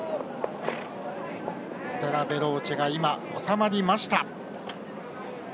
ステラヴェローチェが今、収まりました。